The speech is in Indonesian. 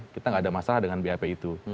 kita nggak ada masalah dengan bap itu